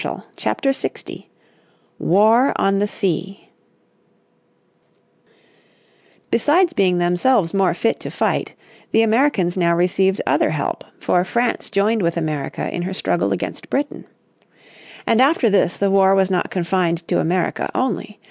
__________ Chapter 60 War on the Sea Besides being themselves more fit to fight, the Americans now received other help, for France joined with America in her struggle against Britain. And after this the war was not confined to America only.